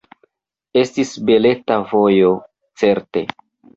Estis beleta vojo, certe!